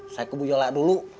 saya kebujolak dulu